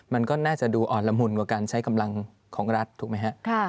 มันก็น่าจะดูอ่อนละมุนกว่าการใช้กำลังของรัฐถูกไหมฮะ